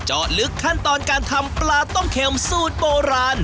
เจาะลึกขั้นตอนการทำปลาต้มเข็มสูตรโบราณ